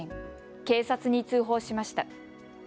警察に通報しました。